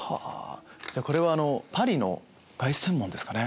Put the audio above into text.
これはパリの凱旋門ですかね。